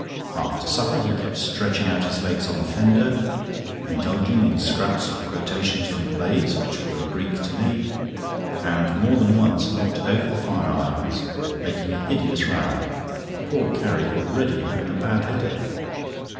After supper he kept stretching out his legs on the fender, indulging in scraps of quotations from plays which were Greek to me, and more than once knocked over the fire irons, making a hideous row—poor Carrie already having a bad headache.